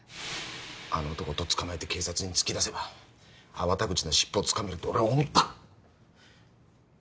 あの男をとっ捕まえて警察に突き出せば粟田口の尻尾をつかめると俺は思った！